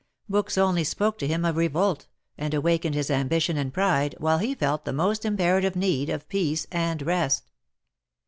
Books only spoke to him of revolt, and awakened his ambition and pride, while he felt the niost imperative need of peace and rest.